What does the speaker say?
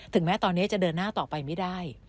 แม้ตอนนี้จะเดินหน้าต่อไปไม่ได้